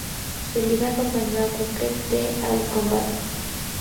Sullivan acompañó a Booker T al combate.